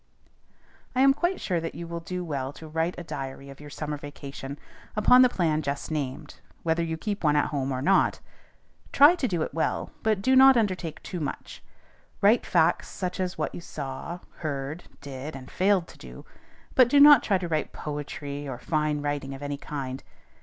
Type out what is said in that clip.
I am quite sure that you will do well to write a diary of your summer vacation, upon the plan just named, whether you keep one at home or not. Try to do it well, but do not undertake too much. Write facts such as what you saw, heard, did, and failed to do; but do not try to write poetry or fine writing of any kind.